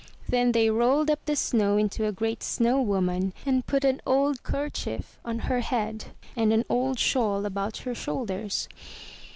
Then they rolled up the snow into a great snow woman and put an old kerchief on her head and an old shawl about her shoulders.